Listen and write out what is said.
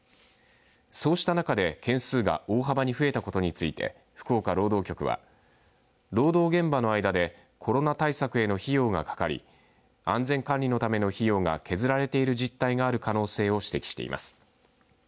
そうした中で件数が大幅に増えたことについて福岡労働局は労働現場の間でコロナ対策への費用がかかり安全関連のための費用が削られている事態がある可能性を指摘しています。